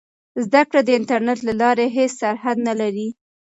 زده کړه د انټرنیټ له لارې هېڅ سرحد نه لري.